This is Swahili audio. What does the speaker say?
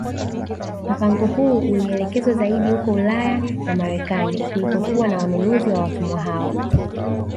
Mpango huu ulielekezwa zaidi huko Ulaya na Marekani kulikokuwa na wanunuzi wa watumwa hao